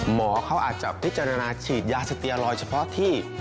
หมอเขาอาจจะพิจารณาฉีดยาสเตียลอยเฉพาะที่